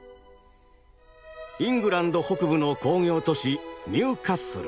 イングランド北部の工業都市ニューカッスル。